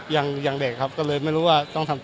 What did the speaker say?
ต้องไปนั่งคุยข้างในต่อนะครับ